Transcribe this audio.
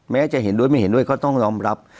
จะเห็นด้วยไม่เห็นด้วยก็ต้องยอมรับ